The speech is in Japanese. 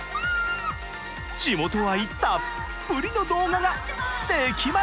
地元愛たっぷりの動画が出来ました！